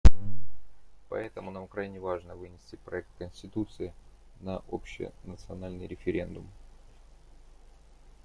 Поэтому нам крайне важно вынести проект конституции на общенациональный референдум.